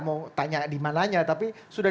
mau tanya dimananya tapi sudah